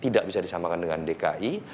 tidak bisa disamakan dengan dki